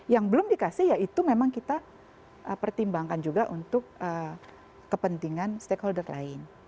yang belum dikasih ya itu memang kita pertimbangkan juga untuk kepentingan stakeholder lain